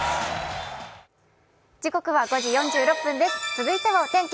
続いてはお天気